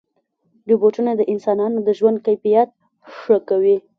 روبوټونه د انسانانو د ژوند کیفیت ښه کوي.